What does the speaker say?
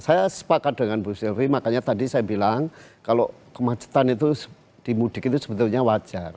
saya sepakat dengan bu sylvi makanya tadi saya bilang kalau kemacetan itu di mudik itu sebetulnya wajar